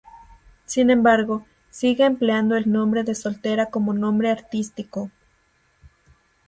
Sin embargo, sigue empleando el nombre de soltera como nombre artístico.